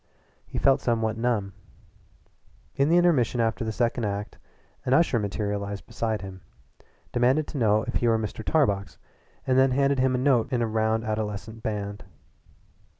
He felt somewhat numb. In the intermission after the second act an usher materialized beside him, demanded to know if he were Mr. Tarbox, and then handed him a note written in a round adolescent band.